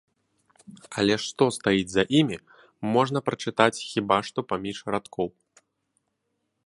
Але што стаіць за імі, можна прачытаць хіба што паміж радкоў.